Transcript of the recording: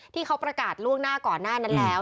ที่เขาประกาศล่วงหน้าก่อนหน้านั้นแล้ว